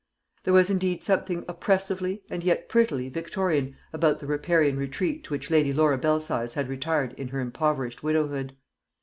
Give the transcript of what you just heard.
There was indeed something oppressively and yet prettily Victorian about the riparian retreat to which Lady Laura Belsize had retired in her impoverished widowhood.